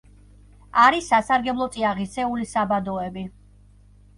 არის სასარგებლო წიაღისეულის საბადოები.